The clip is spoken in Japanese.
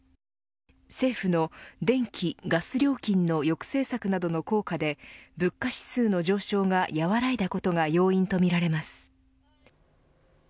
政府の電気・ガス料金の抑制策などの効果で物価指数の上昇が和らいだことが要因とみられます。